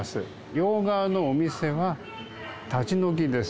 両側のお店は立ち退きです。